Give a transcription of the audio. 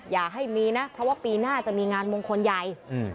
อย่าให้มีนะเพราะว่าปีหน้าจะมีงานมงคลใหญ่